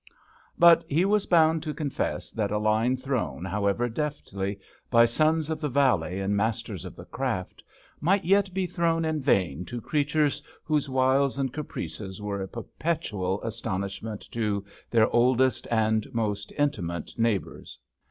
'* But he was bound to confess that a line thrown, however deftly, by sons of the valley and masters of the craft might yet be thrown in vain to creatures whose wiles and caprices were a perpetual astonishment to their oldest and most intimate neighbours.